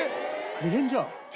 大変じゃん。